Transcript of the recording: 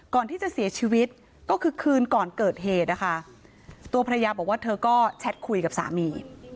ก่อนที่จะเสียชีวิตก็คือคืนก่อนเกิดเหตุนะคะตัวภรรยาบอกว่าเธอก็แชทคุยกับสามี